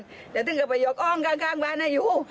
เดี๋ยวถึงก็ไปยกห้องข้างบ้านให้อยู่